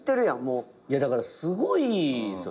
いやだからすごいっすよね。